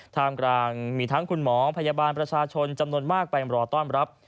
กลางมีทั้งคุณหมอพยาบาลประชาชนจำนวนมากไปรอต้อนรับ